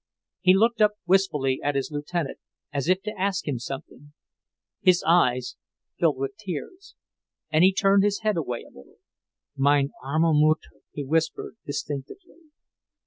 He looked up wistfully at his Lieutenant as if to ask him something. His eyes filled with tears, and he turned his head away a little. "Mein' arme Mutter!" he whispered distinctly.